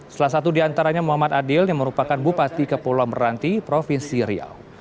salah satu diantaranya muhammad adil yang merupakan bupati kepulauan meranti provinsi riau